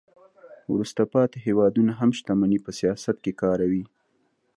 وروسته پاتې هیوادونه هم شتمني په سیاست کې کاروي